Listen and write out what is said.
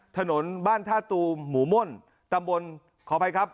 ถนนบ้านท่าตูมหมู่ม่นตำบลขออภัยครับ